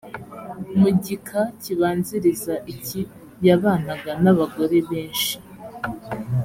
mu gika kibanziriza iki yabanaga n’abagore benshi